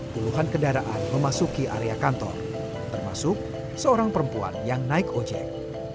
puluhan kendaraan memasuki area kantor termasuk seorang perempuan yang naik ojek